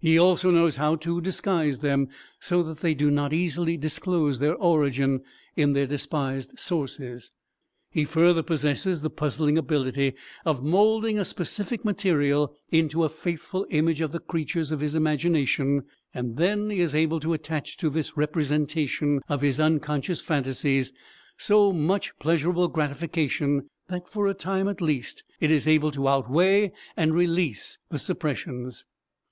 He also knows how to disguise them so that they do not easily disclose their origin in their despised sources. He further possesses the puzzling ability of molding a specific material into a faithful image of the creatures of his imagination, and then he is able to attach to this representation of his unconscious phantasies so much pleasurable gratification that, for a time at least, it is able to outweigh and release the suppressions.